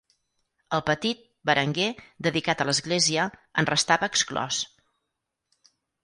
El petit, Berenguer, dedicat a l'Església, en restava exclòs.